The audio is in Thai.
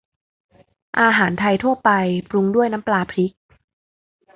อาหารไทยทั่วไป ปรุงด้วยน้ำปลาพริก